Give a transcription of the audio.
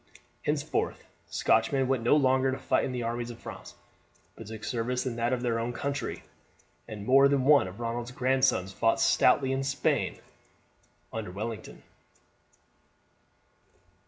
Henceforth Scotchmen went no longer to fight in the armies of France, but took service in that of their own country, and more than one of Ronald's grandsons fought stoutly in Spain under Wellington.